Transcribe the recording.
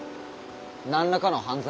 何らかの犯罪？